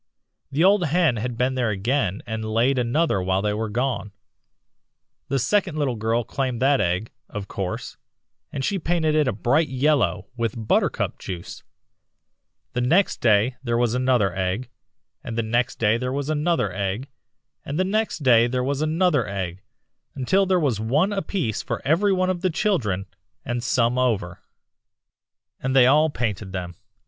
The old hen had been there again and laid another while they were gone. The second little girl claimed that egg, of course, and she painted it a bright yellow with buttercup juice. Then the next day there was another egg, and the next day there was another egg, and the next day there was another egg, until there was one apiece for every one of the children, and some over." "'And they all painted them.